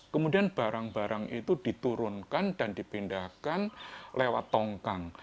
kemudian barang barang itu diturunkan dan dipindahkan lewat tongkang